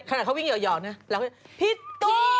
ขนาดเขาวิ่งหย่อเนี่ยแล้วพี่ตูน